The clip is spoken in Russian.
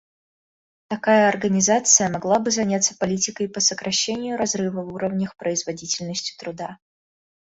Такая организация могла бы заняться политикой по сокращение разрыва в уровнях производительности труда.